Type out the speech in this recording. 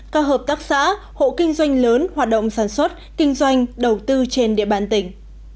các hợp tác xã hộ kinh doanh lớn hoạt động sản xuất kinh doanh đầu tư trên địa bàn tỉnh